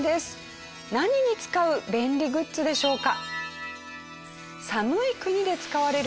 何に使う便利グッズでしょうか？